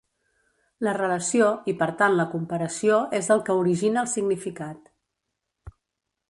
La relació, i per tant, la comparació és el que origina el significat.